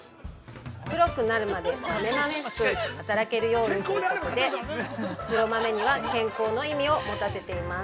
黒くなるまでまめまめしく働けるようにということで黒豆には健康の意味を持たせています。